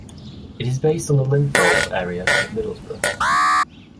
It is based in the Linthorpe area of Middlesbrough.